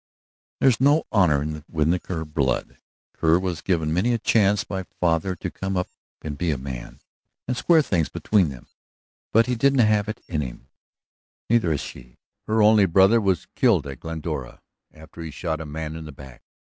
"There's no honor in the Kerr blood. Kerr was given many a chance by father to come up and be a man, and square things between them, but he didn't have it in him. Neither has she. Her only brother was killed at Glendora after he'd shot a man in the back."